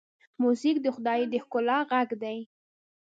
موزیک د خدای د ښکلا غږ دی.